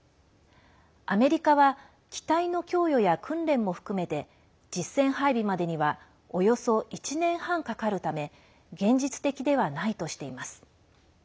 アメリカは機体の供与や訓練も含めて実戦配備までにはおよそ１年半かかるため現実的ではないとしています。